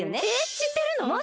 えっしってるの！？